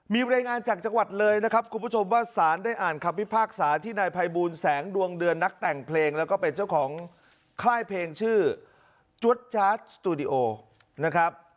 มีรายงานจากจังหวัดเลยนะครับคุณผู้ชมว่าสารได้อ่านคำพิพากษาที่นายภัยบูลแสงดวงเดือนนักแต่งเพลงแล้วก็เป็นเจ้าของค่ายเพลงชื่อจวดจาร์ดสตูดิโอนะครับ